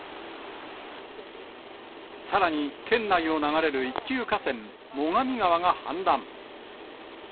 さらに県内を流れる一級河川最上川が氾濫。